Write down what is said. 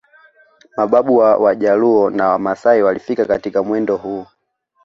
Mababu wa Wajaluo na Wamasai walifika katika mwendo huu